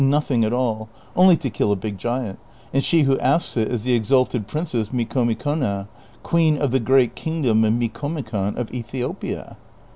nothing at all ; only to kill a big giant ; and she who asks it is the exalted princess Micomicona, queeu of the great kingdom of Mieomicon of Ethiopia."